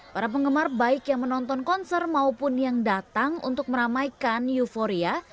para penggemar baik yang menonton konser maupun yang datang untuk meramaikan euforia